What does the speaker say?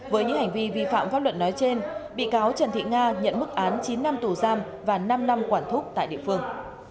với những hành vi vi phạm pháp luật nói trên bị cáo trần thị nga nhận mức án chín năm tù giam và năm năm quản thúc tại địa phương